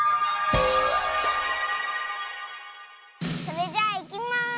それじゃあいきます！